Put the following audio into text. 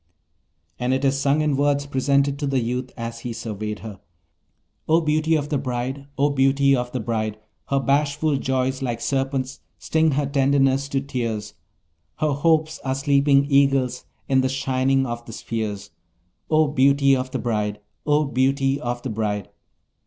And it is sung in words present to the youth as he surveyed her: O beauty of the bride! O beauty of the bride! Her bashful joys like serpents sting her tenderness to tears: Her hopes are sleeping eagles in the shining of the spheres; O beauty of the bride! O beauty of the bride!